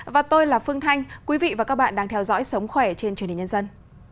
và tôi là phương thanh quý vị và các bạn đang theo dõi sống khỏe trên truyền hình nhân dân